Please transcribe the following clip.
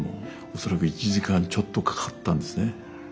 恐らく１時間ちょっとかかったんですね。